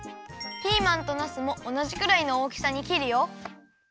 ピーマンとなすもおなじくらいのおおきさに切るよ。